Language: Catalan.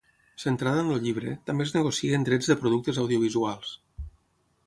Centrada en el llibre, també es negocien drets de productes audiovisuals.